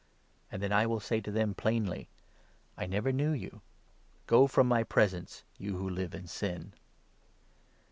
' And then I shall say to them plainly ' I never knew you. Go from my presence, you who live in sin.'